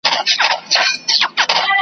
د ژورو اوبو غېږ کي یې غوټې سوې .